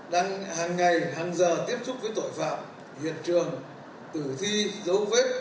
đang hàng ngày hàng giờ tiếp xúc với tội phạm hiện trường tử thi dấu vết